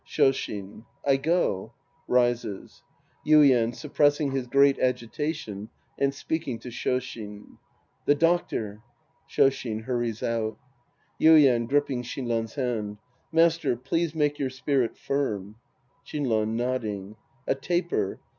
Shoshin. I go. (Rises.) Yuien {suppressing his great agitation and speaking to Shoshin). The doctor. (ShSshin hurries out.) Yuien {gripping Shinran's hand). Master, please make your spirit firm. Shinran {nodding"). A taper.